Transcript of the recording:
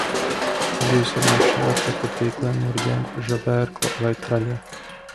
Zivis var makšķerēt, ķert ar tīkliem, murdiem, žebērkli vai traļiem.